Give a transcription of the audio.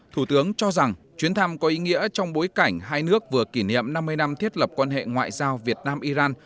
thủ tướng cho rằng chuyến thăm có ý nghĩa trong bối cảnh hai nước vừa kỷ niệm năm mươi năm thiết lập quan hệ ngoại giao việt nam iran